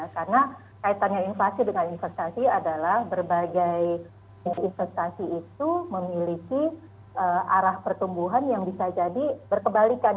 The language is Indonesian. karena kaitannya inflasi dengan investasi adalah berbagai investasi itu memiliki arah pertumbuhan yang bisa jadi berkebalikan